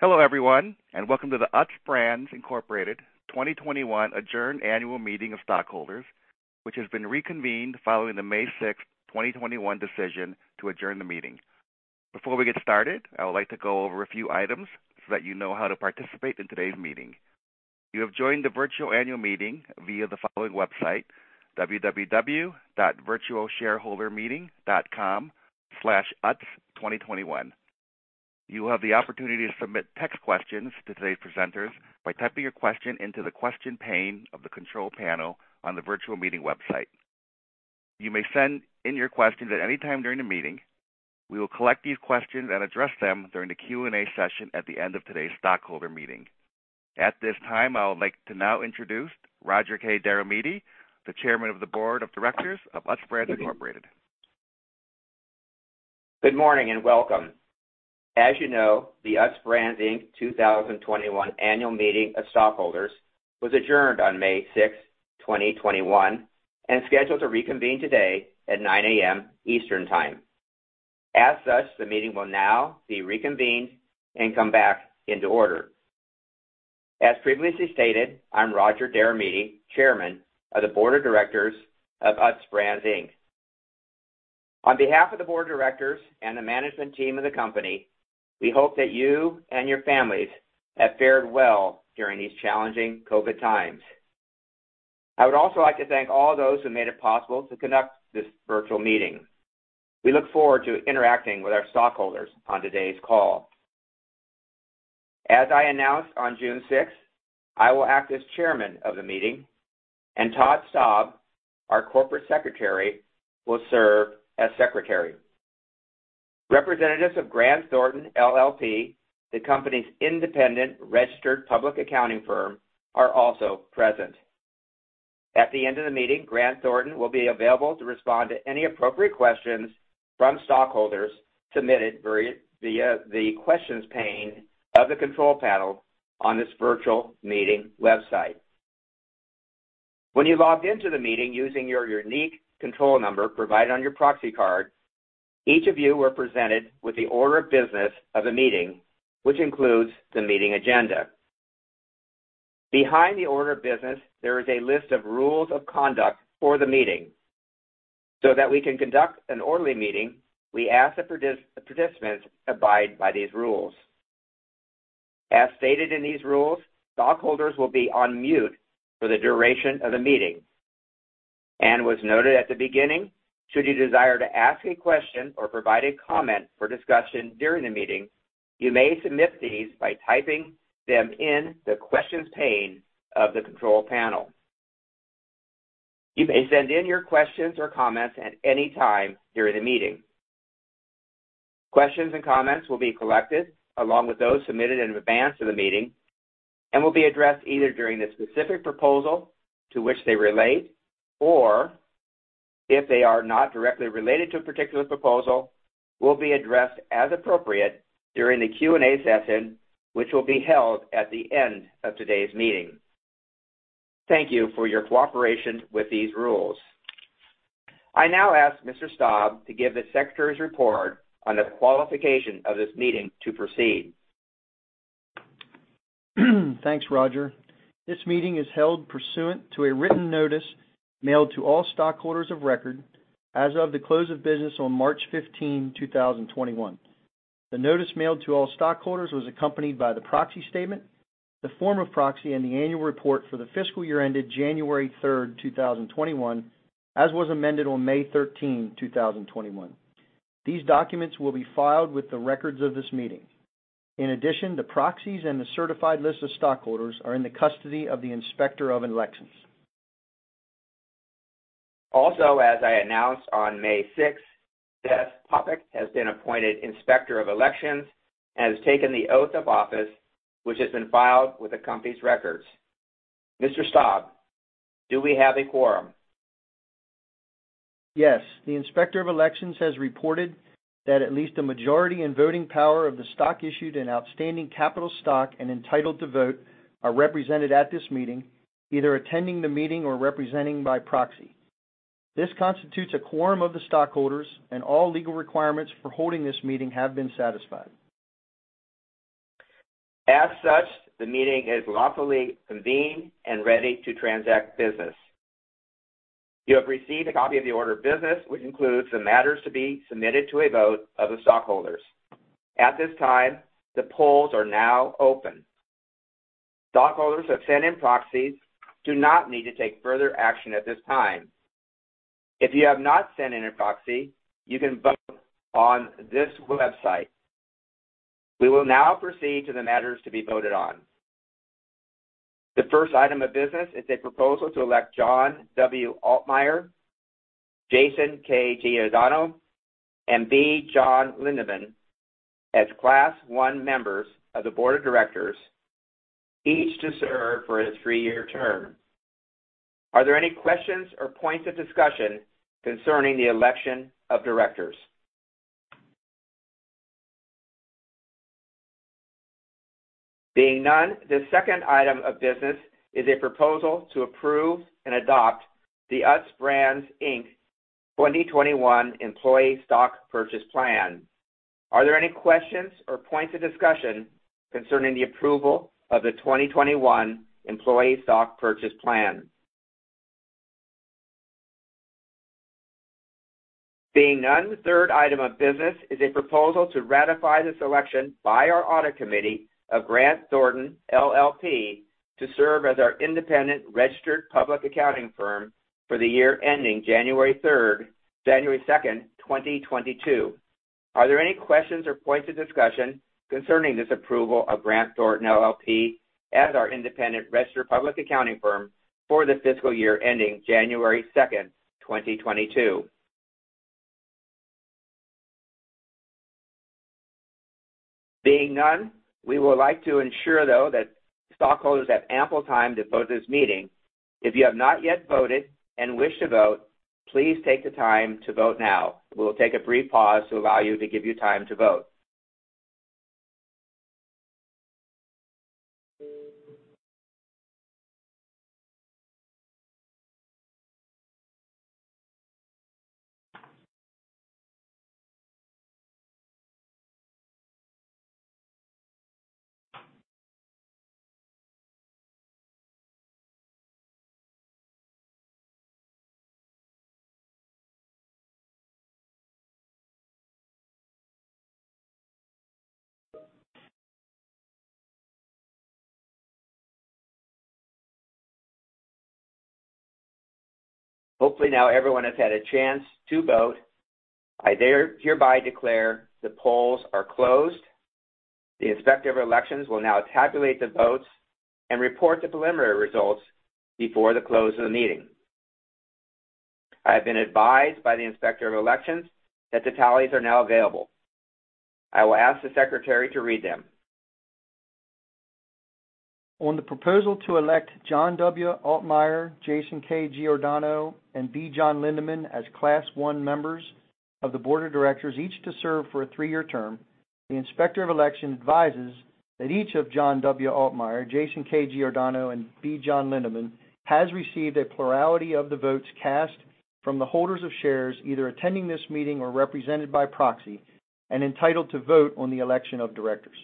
Hello, everyone, and welcome to the Utz Brands, Inc. 2021 Adjourned Annual Meeting of Stockholders, which has been reconvened following the May 6th, 2021 decision to adjourn the meeting. Before we get started, I would like to go over a few items so that you know how to participate in today's meeting. You have joined the virtual annual meeting via the following website, www.virtualshareholdermeeting.com/utz2021. You will have the opportunity to submit text questions to today's presenters by typing your question into the question pane of the control panel on the virtual meeting website. You may send in your questions at any time during the meeting. We will collect these questions and address them during the Q&A session at the end of today's stockholder meeting. At this time, I would like to now introduce Roger Deromedi, the Chairman of the Board of Directors of Utz Brands, Inc. Good morning, and welcome. As you know, the Utz Brands, Inc. 2021 Annual Meeting of Stockholders was adjourned on May 6th, 2021, and scheduled to reconvene today at 9:00 A.M. Eastern Time. As such, the meeting will now be reconvened and come back into order. As previously stated, I'm Roger Deromedi, Chairman of the Board of Directors of Utz Brands, Inc. On behalf of the Board of Directors and the management team of the company, we hope that you and your families have fared well during these challenging COVID times. I would also like to thank all those who made it possible to conduct this virtual meeting. We look forward to interacting with our stockholders on today's call. As I announced on June 6th, I will act as Chairman of the meeting, and Todd Staub, our Corporate Secretary, will serve as Secretary. Representatives of Grant Thornton LLP, the company's independent registered public accounting firm, are also present. At the end of the meeting, Grant Thornton will be available to respond to any appropriate questions from stockholders submitted via the questions pane of the control panel on this virtual meeting website. When you logged into the meeting using your unique control number provided on your proxy card, each of you were presented with the order of business of the meeting, which includes the meeting agenda. Behind the order of business, there is a list of rules of conduct for the meeting. That we can conduct an orderly meeting, we ask that participants abide by these rules. As stated in these rules, stockholders will be on mute for the duration of the meeting. What's noted at the beginning, should you desire to ask a question or provide a comment for discussion during the meeting, you may submit these by typing them in the questions pane of the control panel. You may send in your questions or comments at any time during the meeting. Questions and comments will be collected along with those submitted in advance of the meeting and will be addressed either during the specific proposal to which they relate or, if they are not directly related to a particular proposal, will be addressed as appropriate during the Q&A session, which will be held at the end of today's meeting. Thank you for your cooperation with these rules. I now ask Mr. Staub to give the secretary's report on the qualification of this meeting to proceed. Thanks, Roger. This meeting is held pursuant to a written notice mailed to all stockholders of record as of the close of business on March 15, 2021. The notice mailed to all stockholders was accompanied by the proxy statement, the form of proxy, and the annual report for the fiscal year ended January 3rd, 2021, as was amended on May 13, 2021. These documents will be filed with the records of this meeting. In addition, the proxies and the certified list of stockholders are in the custody of the Inspector of Elections. Also, as I announced on May 6th, Dennis Popick has been appointed Inspector of Elections and has taken the oath of office, which has been filed with the company's records. Mr. Staub, do we have a quorum? Yes. The Inspector of Elections has reported that at least a majority in voting power of the stock issued in outstanding capital stock and entitled to vote are represented at this meeting, either attending the meeting or representing by proxy. This constitutes a quorum of the stockholders, and all legal requirements for holding this meeting have been satisfied. As such, the meeting is lawfully convened and ready to transact business. You have received a copy of the order of business, which includes the matters to be submitted to a vote of the stockholders. At this time, the polls are now open. Stockholders who have sent in proxies do not need to take further action at this time. If you have not sent in your proxy, you can vote on this website. We will now proceed to the matters to be voted on. The first item of business is a proposal to elect John W. Altmeyer, Jason K. Giordano, and B. John Lindeman as Class I members of the Board of Directors, each to serve for a three-year term. Are there any questions or points of discussion concerning the election of Directors? Being none, the second item of business is a proposal to approve and adopt the Utz Brands, Inc. 2021 Employee Stock Purchase Plan. Are there any questions or points of discussion concerning the approval of the 2021 Employee Stock Purchase Plan? Being none, the third item of business is a proposal to ratify the selection by our audit committee of Grant Thornton LLP to serve as our independent registered public accounting firm for the year ending January 2nd, 2022. Are there any questions or points of discussion concerning this approval of Grant Thornton LLP as our independent registered public accounting firm for the fiscal year ending January 2nd, 2022? Being none, we would like to ensure, though, that stockholders have ample time to vote this meeting. If you have not yet voted and wish to vote, please take the time to vote now. We'll take a brief pause to allow you to give you time to vote. Hopefully now everyone has had a chance to vote. I hereby declare the polls are closed. The Inspector of Elections will now tabulate the votes and report the preliminary results before the close of the meeting. I have been advised by the Inspector of Elections that the tallies are now available. I will ask the Secretary to read them. On the proposal to elect John W. Altmeyer, Jason K. Giordano, and B. John Lindeman as Class I members of the Board of Directors, each to serve for a three-year term, the Inspector of Elections advises that each of John W. Altmeyer, Jason K. Giordano, and B. John Lindeman has received a plurality of the votes cast from the holders of shares, either attending this meeting or represented by proxy, and entitled to vote on the election of Directors.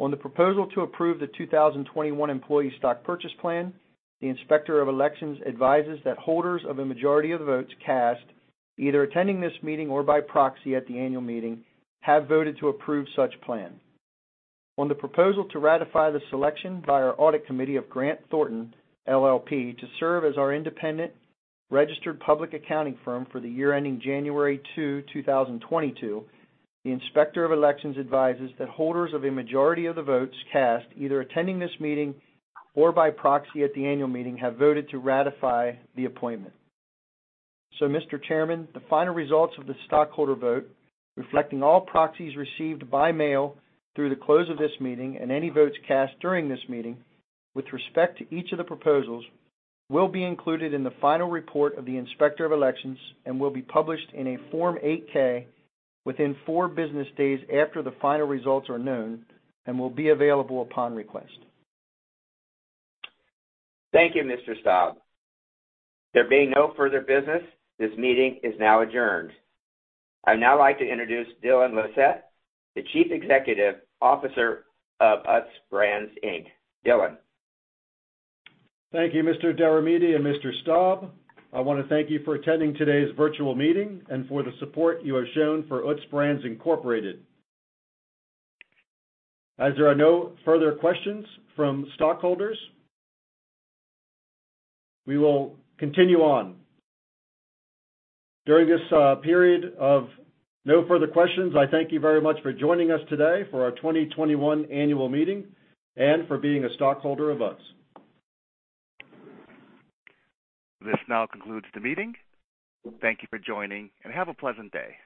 On the proposal to approve the 2021 Employee Stock Purchase Plan, the Inspector of Elections advises that holders of a majority of the votes cast, either attending this meeting or by proxy at the annual meeting, have voted to approve such plan. On the proposal to ratify the selection by our audit committee of Grant Thornton LLP to serve as our independent registered public accounting firm for the year ending January 2nd, 2022, the Inspector of Elections advises that holders of a majority of the votes cast, either attending this meeting or by proxy at the annual meeting, have voted to ratify the appointment. Mr. Chairman, the final results of the stockholder vote, reflecting all proxies received by mail through the close of this meeting and any votes cast during this meeting with respect to each of the proposals, will be included in the final report of the Inspector of Elections and will be published in a Form 8-K within four business days after the final results are known and will be available upon request. Thank you, Mr. Staub. There being no further business, this meeting is now adjourned. I'd now like to introduce Dylan Lissette, the Chief Executive Officer of Utz Brands, Inc. Dylan. Thank you, Mr. Deromedi` and Mr. Staub. I want to thank you for attending today's virtual meeting and for the support you have shown for Utz Brands, Inc. As there are no further questions from stockholders, we will continue on. During this period of no further questions, I thank you very much for joining us today for our 2021 annual meeting and for being a stockholder of Utz. This now concludes the meeting. Thank you for joining, and have a pleasant day.